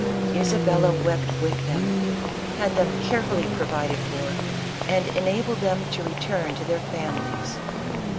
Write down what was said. Isabella wept with them, had them carefully provided for, and enabled them to re turn to their families.